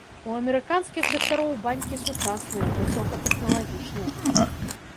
У амерыканскіх дактароў банькі сучасныя, высокатэхналагічныя.